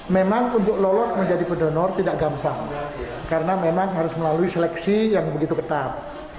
memang untuk lolos menjadi pendonor tidak gampang karena memang harus melalui seleksi yang begitu ketat